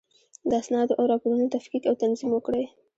د اسنادو او راپورونو تفکیک او تنظیم وکړئ.